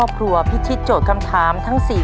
ที่กำลังท้อกับวิกฤทธิ์ในตอนนี้